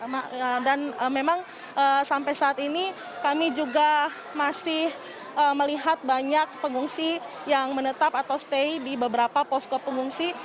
nah dan memang sampai saat ini kami juga masih melihat banyak pengungsi yang menetap atau stay di beberapa posko pengungsi